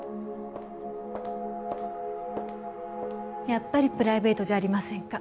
やっぱりプライベートじゃありませんか。